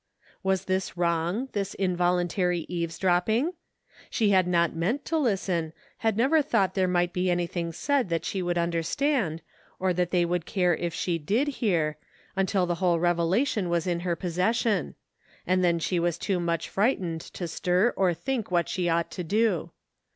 Was this wrong, this involuntary eavesdropping? 118 THE FINDING OF JASPER HOLT She had not meant to listen, had never thought there might be anything said that she would imderstand, or that they would care if she did hear, until the whole revelation was in her possession; and then she was too much frightened to stir or think what she ought to do.